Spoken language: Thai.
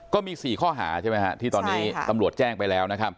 ก็มี๔ข้อหาที่ตอนนี้ตำรวจแจ้งไปแล้ว